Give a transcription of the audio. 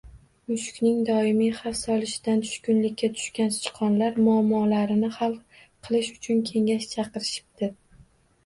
Mushukning doimiy xavf solishidan tushkunlikka tushgan sichqonlar muammolarini hal qilish uchun kengash chaqirishibdi